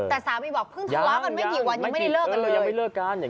แต่สามีบอกเพิ่งทะเลาะกันไม่ถี่วันยังไม่ได้เลิกกันเลย